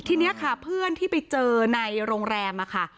ทีนี้ค่ะเพื่อนที่ไปเจอในโรงแรมค่ะ